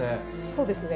そうですね。